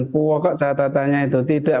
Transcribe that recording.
puwokok saya tanya itu tidak